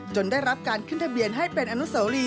ได้รับการขึ้นทะเบียนให้เป็นอนุสวรี